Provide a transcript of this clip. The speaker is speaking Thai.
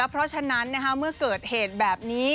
เพราะฉะนั้นเมื่อเกิดเหตุแบบนี้